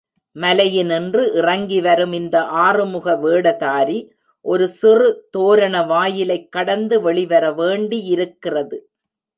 மலையினின்று இறங்கி வரும் இந்த ஆறுமுக வேடதாரி, ஒரு சிறு தோரண வாயிலைக் கடந்து வெளிவர வேண்டியிருக்கிறது.